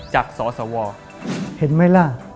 เห็นมั๊ยล่ะ